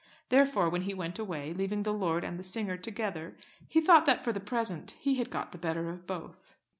Therefore, when he went away, leaving the lord and the singer together, he thought that for the present he had got the better of both.